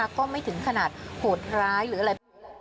ก็ไม่ถึงขนาดโหดร้ายหรืออะไร